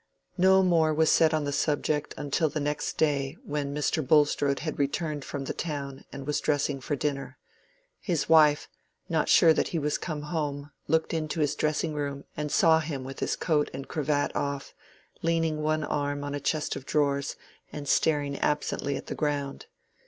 No more was said on the subject until the next day, when Mr. Bulstrode had returned from the town and was dressing for dinner. His wife, not sure that he was come home, looked into his dressing room and saw him with his coat and cravat off, leaning one arm on a chest of drawers and staring absently at the ground.